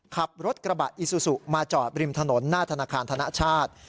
ขับรถกระบะอีซูซุมาจอดริมถนนหน้าธนาคารธนชาติ